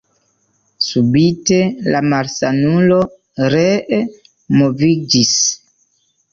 Subite la malsanulo ree moviĝis.